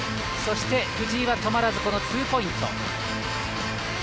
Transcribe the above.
そして、藤井は止まらずツーポイント。